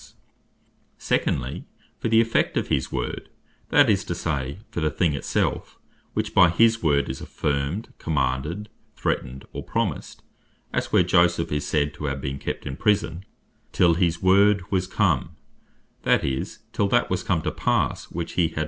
Secondly, For The Effect Of His Word Secondly, for the effect of his Word; that is to say, for the thing it self, which by his Word is Affirmed, Commanded, Threatned, or Promised; as (Psalm 105.19.) where Joseph is said to have been kept in prison, "till his Word was come;" that is, till that was come to passe which he had (Gen. 40.